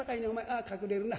ああ隠れるな。